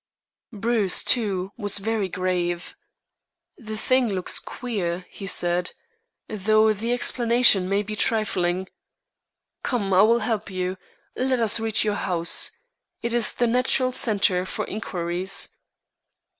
Bruce, too, was very grave. "The thing looks queer," he said; "though the explanation may be trifling. Come, I will help you. Let us reach your house. It is the natural centre for inquiries."